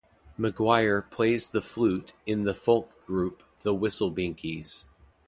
McGuire plays the flute in the folk group the Whistlebinkies.